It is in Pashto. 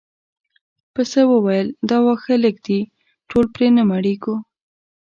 پسه وویل دا واښه لږ دي ټول پرې نه مړیږو.